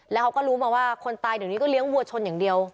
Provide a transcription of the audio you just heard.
แล้วเขาก็รู้มาว่าคนตายเดี๋ยวนี้ก็เลี้ยงวัวชนอย่างเดียว